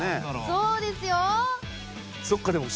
そうですよ。